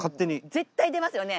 絶対出ますよね。